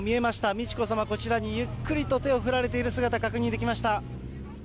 美智子さま、こちらにゆっくりと手を振られている姿、確認できました。